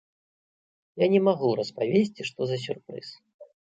Я не магу распавесці, што за сюрпрыз.